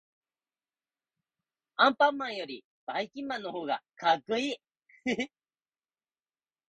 アンパンマンよりばいきんまんのほうがかっこいい。